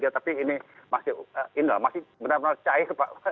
tapi ini masih benar benar cair pak